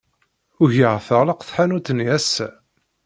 Ugaɣ teɣleq tḥanut-nni ass-a.